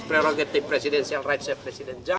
prerogatif presidenial rights dan presiden jawa